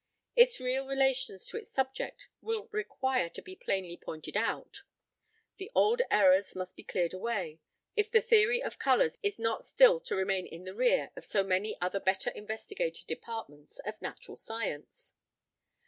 Its real relations to its subject will require to be plainly pointed out; the old errors must be cleared away, if the theory of colours is not still to remain in the rear of so many other better investigated departments of natural science.